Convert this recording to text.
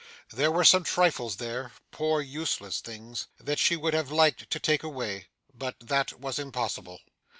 There were some trifles there poor useless things that she would have liked to take away; but that was impossible.